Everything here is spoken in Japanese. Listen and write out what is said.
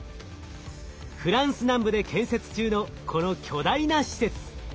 フランス南部で建設中のこの巨大な施設。